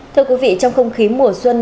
thưa quý vị trong không khí mùa xuân